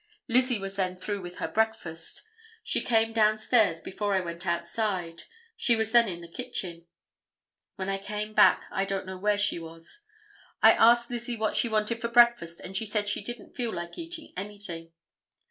Lizzie was then through with her breakfast. She came down stairs before I went outside. She was then in the kitchen. When I came back I don't know where she was. I asked Lizzie what she wanted for breakfast and she said she didn't feel like eating anything.